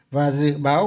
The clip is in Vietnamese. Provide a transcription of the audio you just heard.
và dự báo